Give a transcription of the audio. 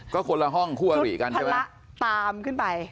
ก็คนละห้องคู่อวีกันดีกว่าชุดพาระตามขึ้นไป